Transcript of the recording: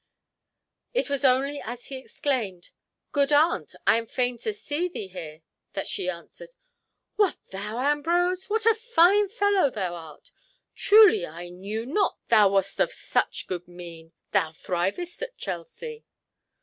It was only as he exclaimed, "Good aunt, I am fain to see thee here!" that she answered, "What, thou, Ambrose! What a fine fellow thou art! Truly I knew not thou wast of such good mien! Thou thrivest at Chelsea!"